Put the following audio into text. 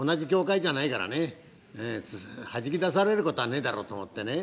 弾き出されることはねえだろうと思ってね